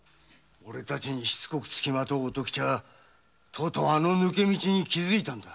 おれたちにしつこくつきまとう乙吉はとうとうあの抜け道に気づいた。